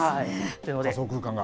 仮想空間が。